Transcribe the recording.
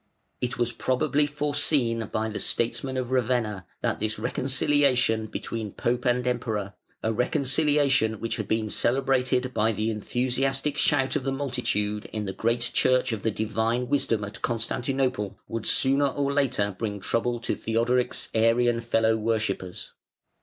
[Footnote 126: Justinian.] It was probably foreseen by the statesmen of Ravenna that this reconciliation between Pope and Emperor, a reconciliation which had been celebrated by the enthusiastic shout of the multitude in the great church of the Divine Wisdom at Constantinople, would sooner or later bring trouble to Theodoric's Arian fellow worshippers.